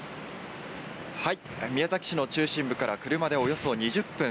宮崎市の中心部から車でおよそ２０分